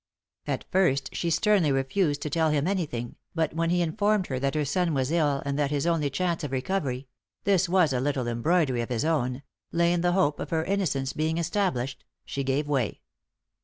At first she sternly refused to tell him anything, but when he informed her that her son was ill and that his only chance of recovery this was a little embroidery of his own lay in the hope of her innocence being established, she gave way.